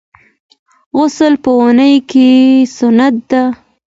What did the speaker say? غسل په اونۍ کي سنت دی.